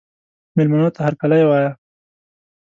مېلمنو ته هرکلی وایه.